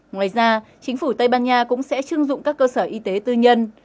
ngoài ra chính phủ tây ban nha cũng sẽ chưng dụng các cơ sở y tế tư nhân